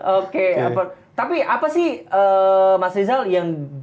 oke tapi apa sih mas rizal yang